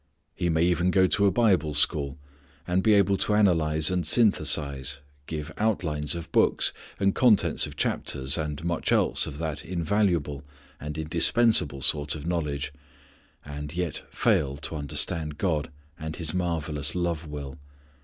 He may even go to a Bible school, and be able to analyze and synthesize, give outlines of books, and contents of chapters and much else of that invaluable and indispensable sort of knowledge and yet fail to understand God and His marvellous love will.